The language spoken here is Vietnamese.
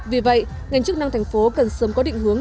vì vậy ngành chức năng thành phố cần sớm có định hướng